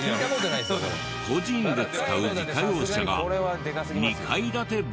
個人で使う自家用車が２階建てバスなのです。